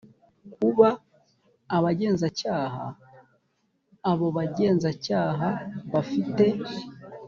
kuba abagenzacyaha abo bagenzacyaha bafite